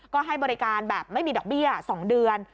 ก็ให้บริการแบบไม่มีดอกเบี้ย๒เดือน